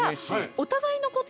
お互いのこと？